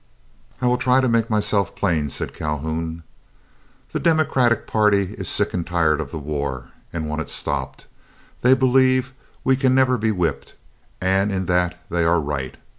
"I will try to make myself plain," said Calhoun. "The Democratic party is sick and tired of the war, and want it stopped. They believe we can never be whipped, and in that they are right.